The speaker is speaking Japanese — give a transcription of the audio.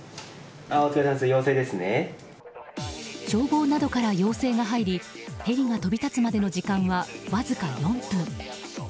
消防などから要請が入りヘリが飛び立つまでの時間はわずか４分。